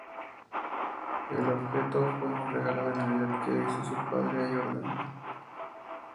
El objeto fue un regalo de navidad que le hizo su padre a Jordan.